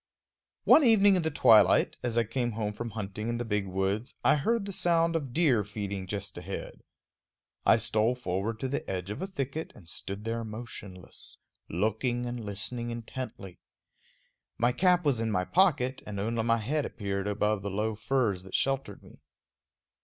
One evening in the twilight, as I came home from hunting in the big woods, I heard the sound of deer feeding just ahead. I stole forward to the edge of a thicket and stood there motionless, looking and listening intently. My cap was in my pocket, and only my head appeared above the low firs that sheltered me.